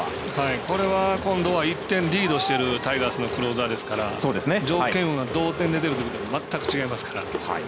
これは今度は１点リードしているタイガースのクローザーですから条件は同点で出るときとは全く違いますから。